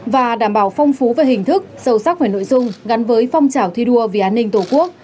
và đảm bảo phong phú về hình thức sâu sắc về nội dung gắn với phong trào thi đua vì an ninh tổ quốc